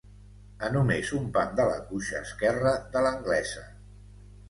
A només un pam de la cuixa esquerra de l'anglesa.